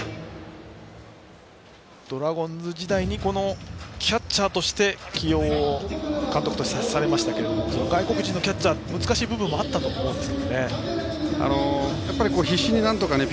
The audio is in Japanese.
ドラゴンズ時代に監督としてキャッチャーとして起用されましたが外国人のキャッチャーは難しい部分もあったと思いますが。